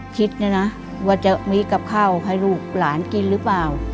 คิดเนี่ยนะว่าจะมีกับข้าวให้ลูกหลานกินหรือเปล่า